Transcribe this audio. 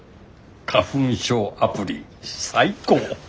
花粉症アプリ最高！